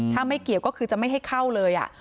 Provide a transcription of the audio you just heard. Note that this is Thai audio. ถ้าไม่เกี่ยวก็คือจะไม่ให้เข้าเลย